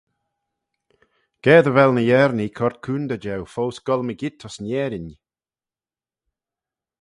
Ga dy vel ny Yernee coyrrt coontey jeu foast goll mygeayrt ayns Nerin.